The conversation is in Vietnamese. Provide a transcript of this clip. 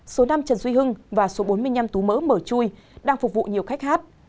số năm trần duy hưng và số bốn mươi năm tú mỡ mở chui đang phục vụ nhiều khách hát